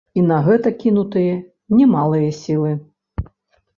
І на гэта кінутыя немалыя сілы.